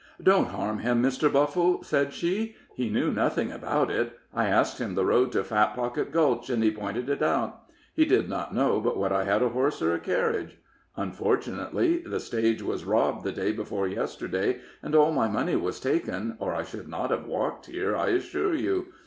"Don't harm him, Mr. Buffle," said she. "He knew nothing about it. I asked him the road to Fat Pocket Gulch, and he pointed it out. He did not know but what I had a horse or a carriage. Unfortunately, the stage was robbed the day before yesterday, and all my money was taken, or I should not have walked here, I assure you.